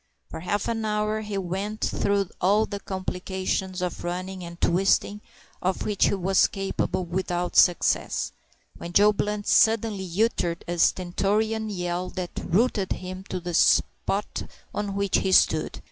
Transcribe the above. For half an hour he went through all the complications of running and twisting of which he was capable, without success, when Joe Blunt suddenly uttered a stentorian yell that rooted him to the spot on which he stood.